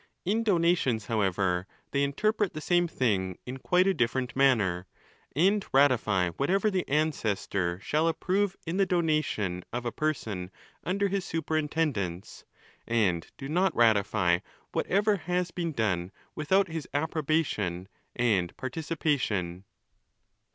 In donations, however, they interpret the same thing in quite a different manner, and ratify whatever: the ancestor shall approve in the donation of a person: under Ga2 452 ON THE LAWS, his superintendence ; and do not ratify whatever has been. done without his approbation and participation.